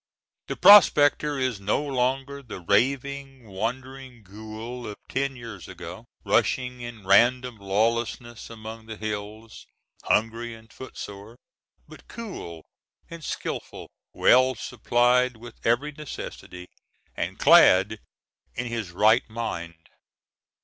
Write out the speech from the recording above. The prospector is no longer the raving, wandering ghoul of ten years ago, rushing in random lawlessness among the hills, hungry and footsore; but cool and skillful, well supplied with every necessary, and clad in his right mind.